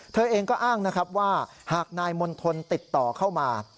เธอเองก็อ้างนะครับว่าหากนายมณฑลติดต่อเข้ามา